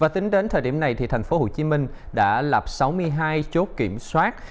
tính đến thời điểm này tp hcm đã lập sáu mươi hai chốt kiểm soát